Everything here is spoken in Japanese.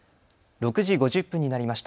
６時５０分になりました。